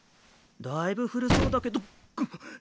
だいぶ古そうだけどぐっ。